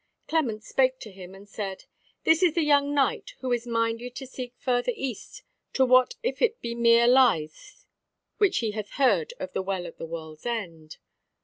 Clement spake to him and said: "This is the young knight who is minded to seek further east to wot if it be mere lies which he hath heard of the Well at the World's End."